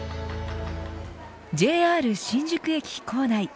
ＪＲ新宿駅構内。